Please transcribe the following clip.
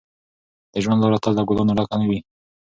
د ژوند لاره تل له ګلانو ډکه نه وي.